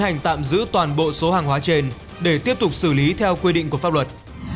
hành tạm giữ toàn bộ số hàng hóa trên để tiếp tục xử lý theo quy định của pháp luật